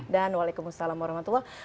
dan waalaikumsalam warahmatullah